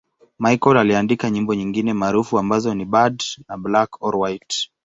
Michael aliandika nyimbo nyingine maarufu ambazo ni 'Bad' na 'Black or White'.